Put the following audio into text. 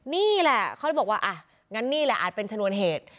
นี่แหละเขาเลยบอกว่าอ่ะงั้นนี่แหละอาจเป็นชนวนเหตุ